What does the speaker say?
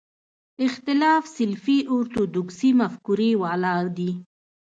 اختلاف سلفي اورتودوکسي مفکورې والا دي.